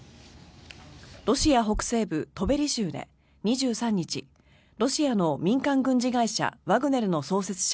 ロシア北西部トベリ州で２３日ロシアの民間軍事会社ワグネルの創設者